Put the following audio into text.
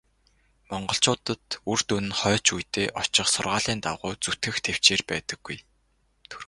Монголчуудад үр дүн нь хойч үедээ очих сургаалын дагуу зүтгэх тэвчээр байдаггүй.